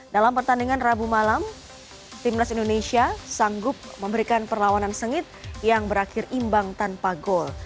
dalam pertandingan rabu malam timnas indonesia sanggup memberikan perlawanan sengit yang berakhir imbang tanpa gol